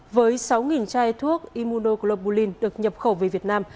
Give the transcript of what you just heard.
với sáu chai thuốc immunoglobulin được nhập khẩu về việt nam